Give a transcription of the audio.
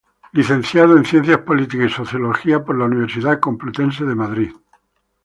Licenciado en Ciencias Políticas y Sociología por la Universidad Complutense de Madrid.